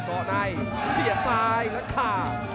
เกาะนายเขียนซ้ายแล้วค่ะ